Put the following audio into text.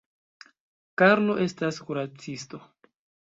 Karlo estas kuracisto.